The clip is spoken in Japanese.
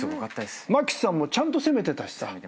茉輝さんもちゃんと攻めてたしさ。